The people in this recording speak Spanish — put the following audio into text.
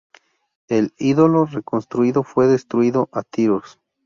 El ídolo reconstruido fue destruido a tiros.